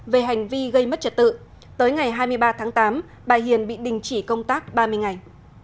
về hành vi gây mất trật tự tới ngày hai mươi ba tháng tám bà hiền bị đình chỉ công tác ba mươi ngày